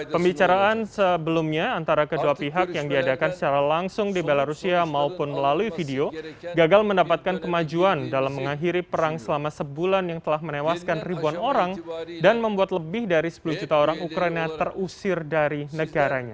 pembicaraan sebelumnya antara kedua pihak yang diadakan secara langsung di belarusia maupun melalui video gagal mendapatkan kemajuan dalam mengakhiri perang selama sebulan yang telah menewaskan ribuan orang dan membuat lebih dari sepuluh juta orang ukraina terusir dari negaranya